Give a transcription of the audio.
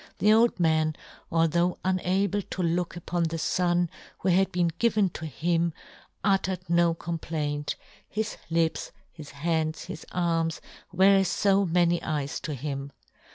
The old man, although unable to look upon the fon who had been given to him, uttered no complaint ; his lips, his hands, his arms, were as fo many eyes to him.